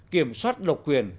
kiểm soát độc quyền